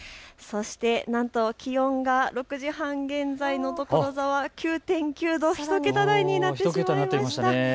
そしてなんと気温が６時半現在、所沢９．９度、１桁台になってしまいました。